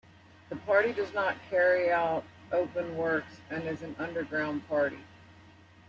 The party does not carry out open works and is an underground party.